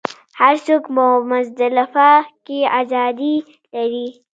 هر څوک په مزدلفه کې ازادي لري.